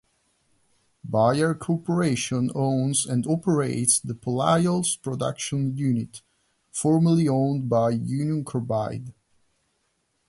Bayer Corporation owns and operates the Polyols Production Unit, formerly owned by Union Carbide.